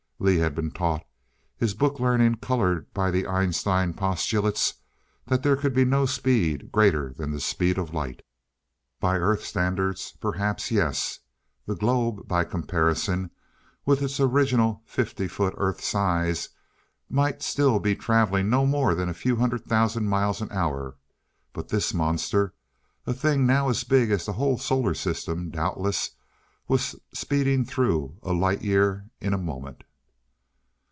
Lee had been taught his book learning colored by the Einstein postulates that there could be no speed greater than the speed of light by Earth standards perhaps, yes. The globe by comparison with its original fifty foot earth size might still be traveling no more than a few hundred thousand miles an hour. But this monster a thing now as big as the whole Solar System doubtless was speeding through a light year in a moment!